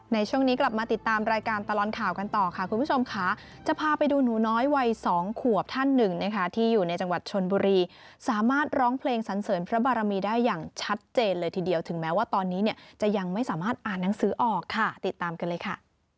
ในช่วงนี้กลับมาติดตามรายการตลอดข่าวกันต่อค่ะคุณผู้ชมค่ะจะพาไปดูหนูน้อยวัย๒ขวบท่านหนึ่งนะคะที่อยู่ในจังหวัดชนบุรีสามารถร้องเพลงสันเสริญพระบารมีได้อย่างชัดเจนเลยทีเดียวถึงแม้ว่าตอนนี้เนี่ยจะยังไม่สามารถอ่านหนังสือออกค่ะติดตามกันเลยค่ะ